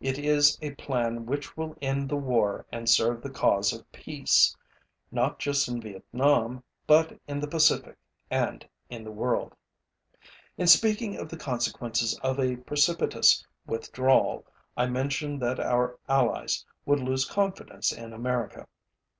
It is a plan which will end the war and serve the cause of peace, not just in Vietnam but in the Pacific and in the world. In speaking of the consequences of a precipitous withdrawal, I mentioned that our allies would lose confidence in America.